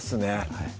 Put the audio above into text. はい